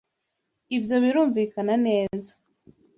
Ibyo birumvikana neza